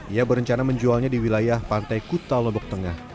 ia berencana menjualnya di wilayah pantai kuta lombok tengah